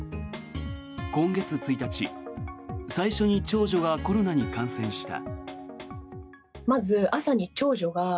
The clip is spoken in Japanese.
今月１日最初に長女がコロナに感染した。